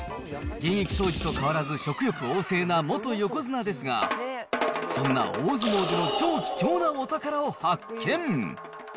現役当時と変わらず食欲おうせいな元横綱ですが、そんな大相撲での超貴重なお宝を発見。